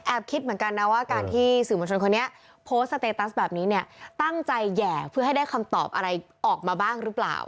คิดเหมือนกันนะว่าการที่สื่อมวลชนคนนี้โพสต์สเตตัสแบบนี้เนี่ยตั้งใจแห่เพื่อให้ได้คำตอบอะไรออกมาบ้างหรือเปล่า